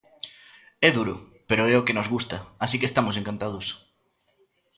É duro, pero é o que nos gusta, así que estamos encantados.